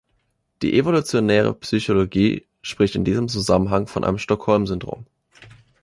Die Evolutionäre Psychologie spricht in diesem Zusammenhang von einem Stockholm-Syndrom.